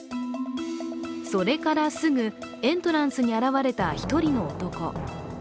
それからすぐエントランスに現れた１人の男。